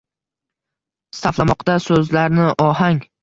Saflamoqda so‘zlarni ohang